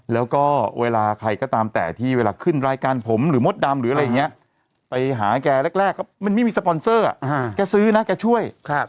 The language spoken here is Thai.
แล้วก็เวลาใครก็ตามแต่ที่เวลาขึ้นรายการผมหรือมดดำหรืออะไรอย่างนี้ไปหาแกแรกมันไม่มีสปอนเซอร์แกซื้อนะแกช่วย